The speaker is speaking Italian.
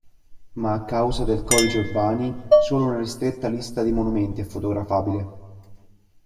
Ma a causa del Codice Urbani solo una ristretta lista di monumenti è fotografabile.